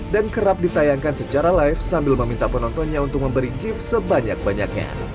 dan kerap ditayangkan secara live sambil meminta penontonnya untuk memberi gift sebanyak banyaknya